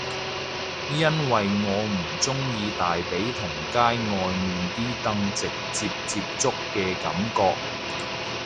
因為我唔鍾意大髀同街外面啲凳直接接觸嘅感覺